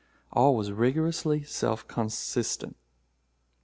All was rigorously self consistent.